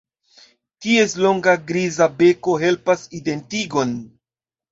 Ties longa griza beko helpas identigon.